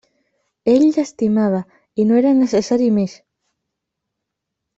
Ell l'estimava, i no era necessari més.